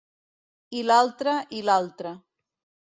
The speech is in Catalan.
I l'altra i l'altra.